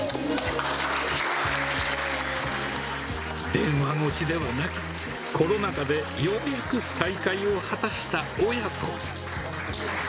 電話越しではなく、コロナ禍でようやく再会を果たした親子。